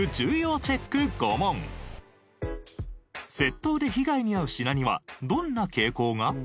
窃盗で被害に遭う品にはどんな傾向が？